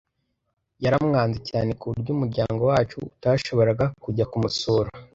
Yaramwanze cyane kuburyo umuryango wacu utashoboraga kujya kumusura.